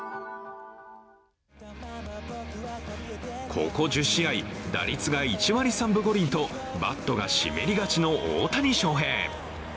ここ１０試合、打率が１割３分５厘とバットが湿りがちの大谷翔平。